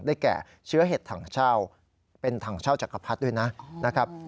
แก่เชื้อเห็ดถังเช่าเป็นถังเช่าจักรพรรดิด้วยนะครับ